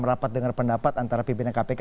rapat dengan pendapat antara pimpinan kpk